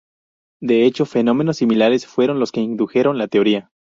De hecho, fenómenos similares fueron los que indujeron la teoría.